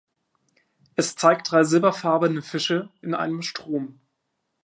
Es zeigt drei silberfarbene Fische in einem Strom.